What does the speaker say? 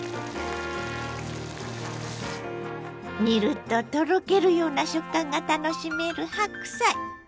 煮るととろけるような食感が楽しめる白菜。